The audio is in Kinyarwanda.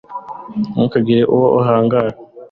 ntukagire uwo uhamagara